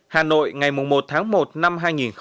hà nội ngày một tháng một năm hai nghìn một mươi bảy